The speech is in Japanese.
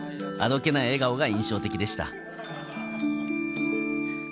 あどけない笑顔が印象的でした。